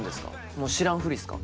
もう知らんふりっすか？